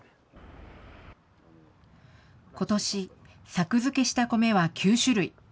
ことし、作付けした米は９種類。